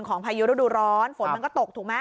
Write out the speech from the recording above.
พายุฤดูร้อนฝนมันก็ตกถูกไหม